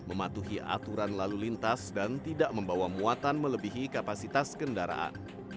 mematuhi aturan lalu lintas dan tidak membawa muatan melebihi kapasitas kendaraan